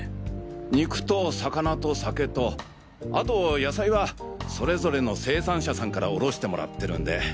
肉と魚と酒とあと野菜はそれぞれの生産者さんから卸してもらってるんで。